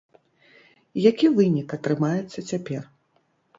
Які вынік атрымаецца цяпер?